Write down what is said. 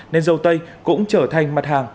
nên râu tây cũng trở thành mặt hàng